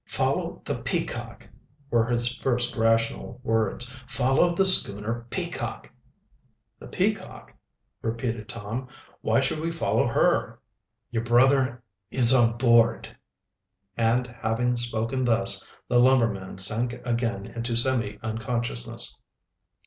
"Follow the Peacock," were his first rational words. "Follow the schooner Peacock." "The Peacock?" repeated Tom. "Why should we follow her?" "Your brother is on board." And having spoken thus, the lumberman sank again into semi unconsciousness.